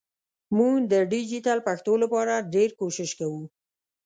مونږ د ډیجېټل پښتو لپاره ډېر کوښښ کوو